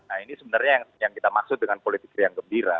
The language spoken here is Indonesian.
nah ini sebenarnya yang kita maksud dengan politik riang gembira